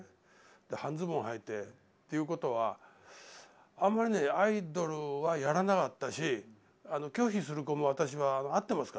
半ズボンはいてっていうことはあんまりねアイドルはやらなかったし拒否する子も私は会ってますから。